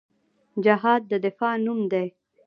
جهاد د دفاع نوم دی